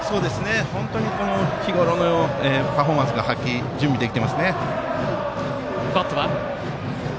本当に日ごろのパフォーマンスが発揮できていてしっかり準備できていますね。